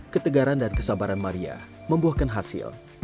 ketegaran dan kesabaran maria membuahkan hasil